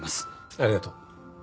ありがとう。